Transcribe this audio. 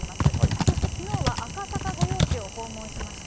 そしてきのうは赤坂御用地を訪問しました。